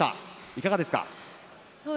いかがですか？